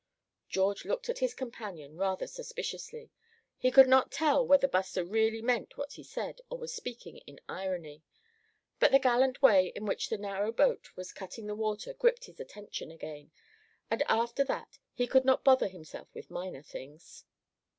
George looked at his companion rather suspiciously. He could not tell whether Buster really meant what he said, or was speaking in irony. But the gallant way in which the narrow boat was cutting the water gripped his attention again, and after that he could not bother himself with minor things.